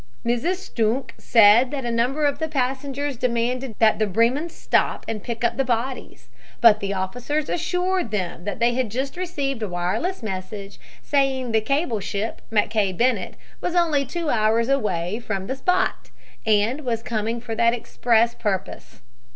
Mrs. Stunke said a number of the passengers demanded that the Bremen stop and pick up the bodies, but the officers assured them that they had just received a wireless message saying the cable ship Mackay Bennett was only two hours away fron the spot, and was coming for that express purpose.